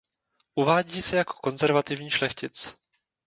Uvádí se jako konzervativní šlechtic.